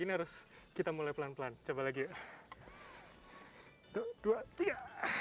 gini harus kita mulai pelan pelan coba lagi ya dua puluh tiga